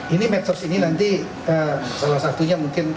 ini medsos ini nanti salah satunya mungkin